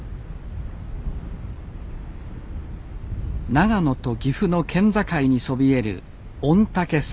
長野と岐阜の県境にそびえる御嶽山